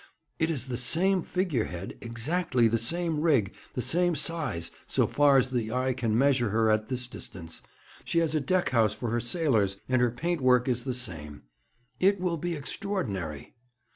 'It is the same figure head, exactly the same rig, the same size, so far as the eye can measure her at this distance. She has a deck house for her sailors, and her paintwork is the same. It will be extraordinary!'